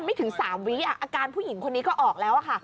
ไม่ถึง๓วิอาการผู้หญิงคนนี้ก็ออกแล้วค่ะ